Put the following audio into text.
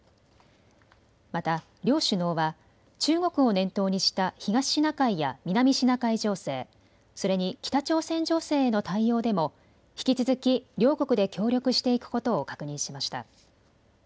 また両首脳は中国を念頭にした東シナ海や南シナ海情勢、それに北朝鮮情勢への対応でも引き続き両国で協力していくことを確認しました。